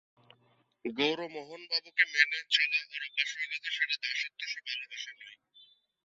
গৌরমোহনবাবুকে মেনে চলা ওঁর অভ্যাস হয়ে গেছে–সেটা দাসত্ব, সে ভালোবাসা নয়।